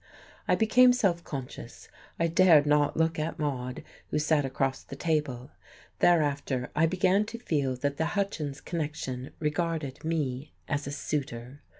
I became self conscious; I dared not look at Maude, who sat across the table; thereafter I began to feel that the Hutchins connection regarded me as a suitor.